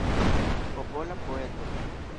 Popola poeto.